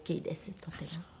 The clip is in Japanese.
とても。